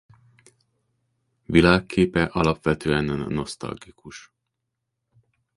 Világképe alapvetően nosztalgikus.